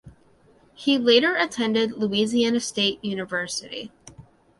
He later attended Louisiana State University.